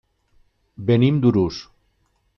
Venim d'Urús.